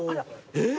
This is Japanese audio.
えっ。